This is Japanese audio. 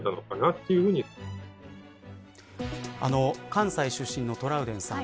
関西出身のトラウデンさん。